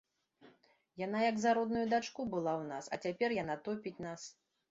Яна як за родную дачку была ў нас, а цяпер яна топіць нас.